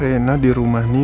reina di rumah nino